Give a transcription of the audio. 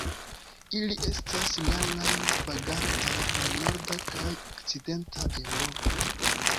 Ili estas raraj vagantoj en norda kaj okcidenta Eŭropo.